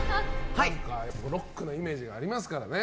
ロックなイメージがありますからね。